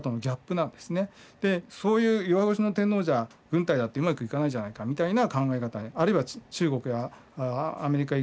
そういう弱腰の天皇じゃ軍隊だってうまくいかないじゃないかみたいな考え方あるいは中国やアメリカ